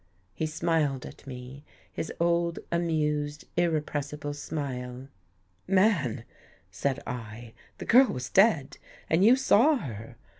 He smiled at me — his old, amused. Irrepressible smile. " Man," said I, " the girl was dead, and you saw. her.